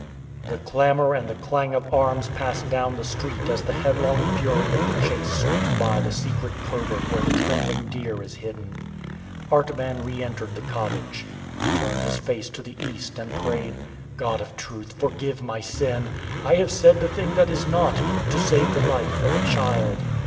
The clamour and the clang of arms passed down the street as the headlong fury of the chase sweeps by the secret covert where the trembling deer is hidden. Artaban re entered the cottage. He turned his face to the east and prayed: "God of truth, forgive my sin! I have said the thing that is not, to save the life of a child.